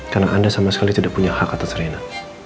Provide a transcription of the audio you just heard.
karena anda sama sekali tidak punya hak atas reina